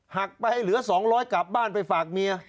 หักไปเหลือ๒๐๐กลับบ้านไปฝากเมีย